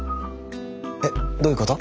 えっどういうこと？